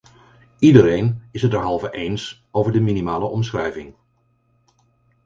Iedereen is het derhalve eens over de minimale omschrijving.